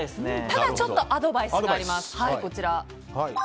ただ、ちょっとアドバイスがあります。